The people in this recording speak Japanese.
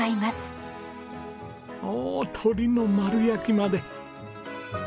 おお鶏の丸焼きまで。